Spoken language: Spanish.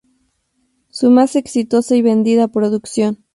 Su más exitosa y vendida producción.